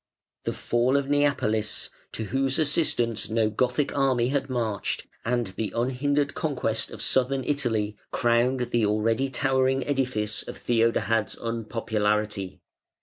The fall of Neapolis, to whose assistance no Gothic army had marched, and the unhindered conquest of Southern Italy crowned the already towering edifice of Theodahad's unpopularity.